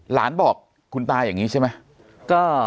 หลานบอกคุณตาอย่างนี้ใช่ไหม